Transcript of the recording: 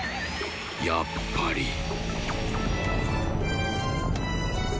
やっぱり。